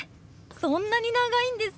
そんなに長いんですね！